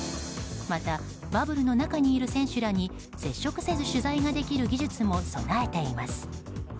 また、バブルの中にいる選手らに接触せず取材ができる技術も備えています。